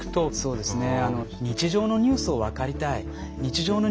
そうですね。